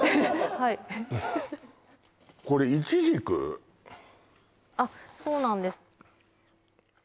はいあっそうなんです